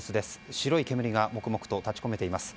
白い煙がもくもくと立ち込めています。